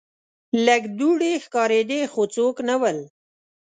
لږ دوړې ښکاریدې خو څوک نه ول.